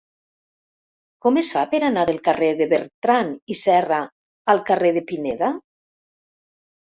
Com es fa per anar del carrer de Bertrand i Serra al carrer de Pineda?